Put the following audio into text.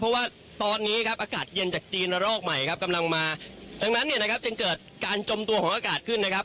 เพราะว่าตอนนี้ครับอากาศเย็นจากจีนระลอกใหม่ครับกำลังมาดังนั้นเนี่ยนะครับจึงเกิดการจมตัวของอากาศขึ้นนะครับ